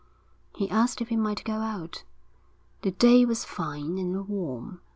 He asked if he might go out. The day was fine and warm.